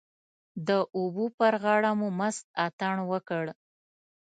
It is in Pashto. د اوبو پر غاړه مو مست اتڼ وکړ.